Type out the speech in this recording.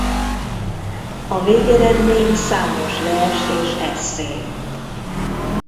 A végeredmény számos vers és esszé.